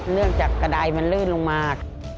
เนื่องจากกระดายมันลื่นลงมา